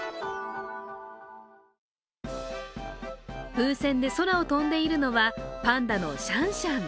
風船で空を飛んでいるのは、パンダのシャンシャン。